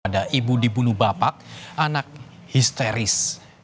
ada ibu dibunuh bapak anak histeris